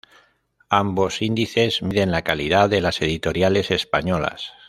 Ambos índices miden la calidad de las editoriales españolas.